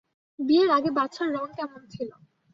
বিয়ের আগে বাছার রং কেমন ছিল।